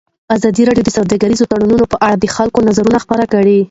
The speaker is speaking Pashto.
ازادي راډیو د سوداګریز تړونونه په اړه د خلکو نظرونه خپاره کړي.